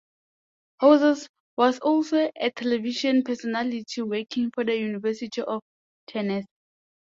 Howser was also a television personality working for the University of Tennessee.